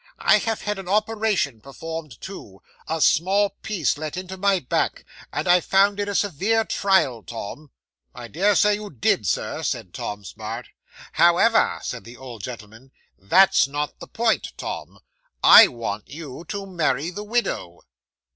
I have had an operation performed, too a small piece let into my back and I found it a severe trial, Tom." '"I dare say you did, Sir," said Tom Smart. '"However," said the old gentleman, "that's not the point. Tom! I want you to marry the widow."